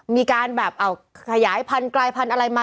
มีการแบบขยายพันไกลพันอะไรมา